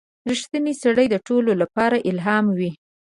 • رښتینی سړی د ټولو لپاره الهام وي.